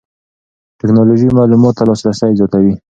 ټکنالوژي معلوماتو ته لاسرسی زیاتوي.